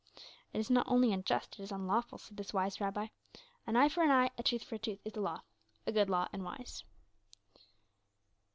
"'It is not only unjust; it is unlawful,' said this wise Rabbi. 'An eye for an eye, a tooth for a tooth is the law a good law and wise.